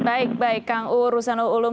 baik baik kang u rusanul ulum